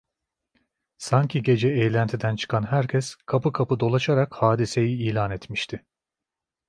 Sanki gece eğlentiden çıkan herkes kapı kapı dolaşarak hadiseyi ilan etmişti.